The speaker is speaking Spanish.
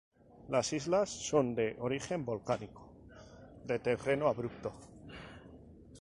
Las islas son de origen volcánico, de terreno abrupto.